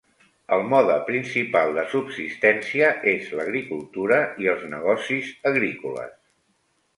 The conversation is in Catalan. El mode principal de subsistència és l'agricultura i els negocis agrícoles.